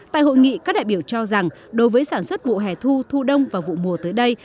tại hội nghị các đại biểu cho rằng đối với sản xuất vụ hẻ thu thu đông và vụ mùa tới đây